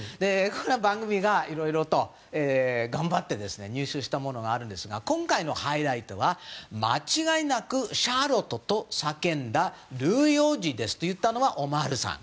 番組がいろいろと頑張って入手したものがあるんですが今回のハイライトは間違いなくシャーロットと叫んだルイ王子と言ったのはオマールさん。